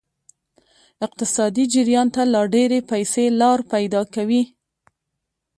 اقتصادي جریان ته لا ډیرې پیسې لار پیدا کوي.